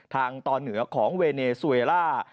ทางตอนเหนือของเวเนซูเอล่า